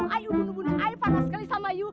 ayu bener bener ayu parah sekali sama you